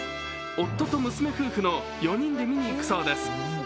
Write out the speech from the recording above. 夫と娘夫婦の４人で見に行くそうです。